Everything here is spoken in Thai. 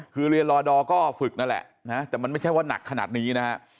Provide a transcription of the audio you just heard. คือเรียนรอดอร์ก็ฝึกนั่นแหละนะแต่มันไม่ใช่ว่านักขนาดนี้นะฮะ